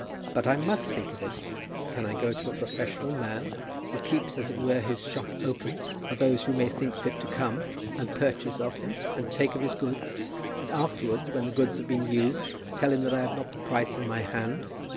"But I must speak of it. Can I go to a professional man, who keeps as it were his shop open for those who may think fit to come, and purchase of him, and take of his goods, and afterwards, when the goods have been used, tell him that I have not the price in my hand?